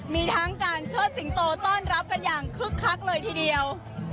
มีทั้งการเชิดสิงโตต้อนรับกันอย่างคึกคักเลยทีเดียว